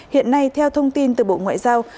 hiện nay theo thông tin từ bộ ngoại giao